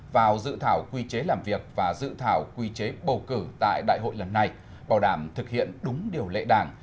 vào dự thảo quy chế làm việc và dự thảo quy chế bầu cử tại đại hội lần này bảo đảm thực hiện đúng điều lệ đảng